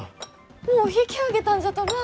もう引き揚げたんじゃとばあ。